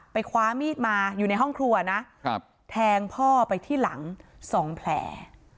คว้ามีดมาอยู่ในห้องครัวนะแทงพ่อไปที่หลัง๒แผล